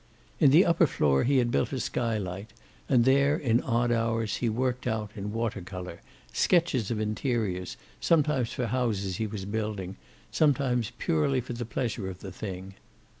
In the upper floor he had built a skylight, and there, in odd hours, he worked out, in water color, sketches of interiors, sometimes for houses he was building, sometimes purely for the pleasure of the thing.